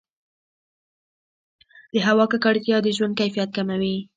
د هوا ککړتیا د ژوند کیفیت کموي.